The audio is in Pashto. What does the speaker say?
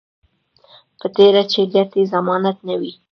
په تېره چې ګټې ضمانت نه وي